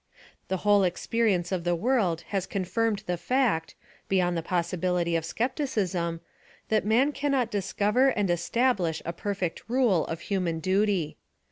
The whole experience of the world has confirm ed the fact, beyond the possibility of skepticism, that man cannot discover and establish a perfect rule of human duty.